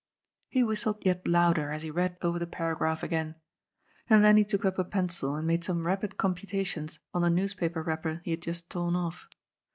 He whistled yet louder, as he read over the paragraph again. And then he took up a pencil and made some rapid computations on the news paper wrapper he had just torn off.